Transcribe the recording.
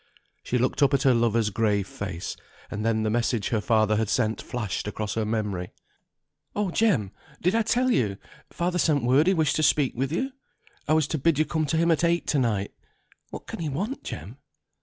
She looked up at her lover's grave face; and then the message her father had sent flashed across her memory. "Oh, Jem, did I tell you? Father sent word he wished to speak with you. I was to bid you come to him at eight to night. What can he want, Jem?"